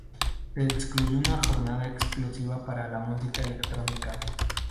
Se incluyó una jornada exclusiva para la música electrónica.